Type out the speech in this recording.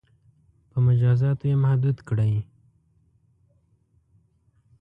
• په مجازاتو یې محدود کړئ.